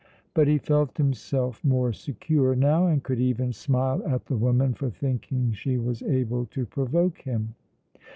But he felt himself more secure now, and could even smile at the woman for thinking she was able to provoke him.